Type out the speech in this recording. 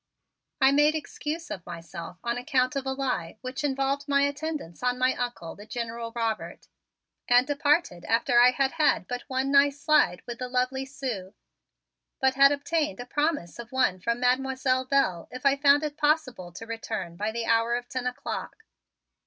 I made excuse of myself on account of a lie which involved my attendance on my Uncle, the General Robert, and departed after I had had but one nice slide with the lovely Sue, but had obtained a promise of one from Mademoiselle Belle if I found it possible to return by the hour of ten o'clock.